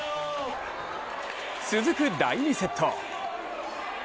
続く、台２セット。